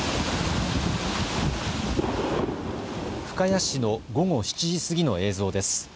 深谷市の午後７時過ぎの映像です。